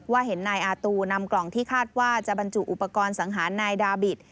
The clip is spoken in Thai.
เห็นนายอาตูนำกล่องที่คาดว่าจะบรรจุอุปกรณ์สังหารนายดาบิต